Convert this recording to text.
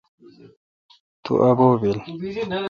تو ابو° بیلہ۔